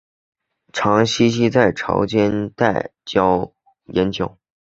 常栖息在潮间带岩礁。